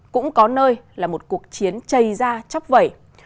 cũng có nơi là một cuộc chiến chây ra chóc vẩy